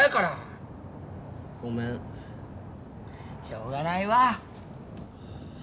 しょうがないわ。